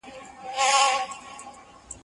زه هره ورځ نان خورم؟!